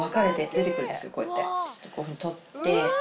こういうふうに取って。